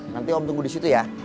nanti om tunggu di situ ya